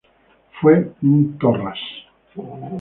Fue un torras.